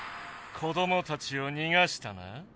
子どもたちをにがしたな。